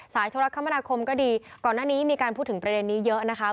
ธุรกรรมนาคมก็ดีก่อนหน้านี้มีการพูดถึงประเด็นนี้เยอะนะคะ